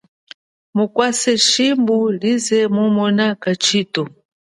Mukwase, hashimbu mumona kashithu.